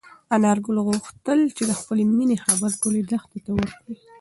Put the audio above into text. انارګل غوښتل چې د خپلې مېنې خبر ټولې دښتې ته ورکړي.